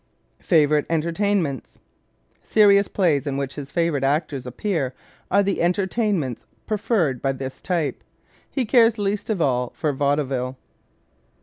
Favorite Entertainments ¶ Serious plays in which his favorite actors appear are the entertainments preferred by this type. He cares least of all for vaudeville.